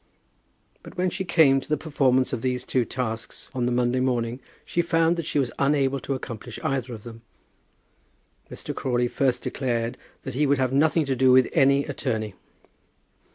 But when she came to the performance of these two tasks on the Monday morning, she found that she was unable to accomplish either of them. Mr. Crawley first declared that he would have nothing to do with any attorney.